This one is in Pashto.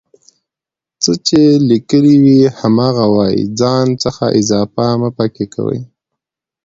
څه چې ليکلي وي هماغه وايئ ځان څخه اضافه مه پکې کوئ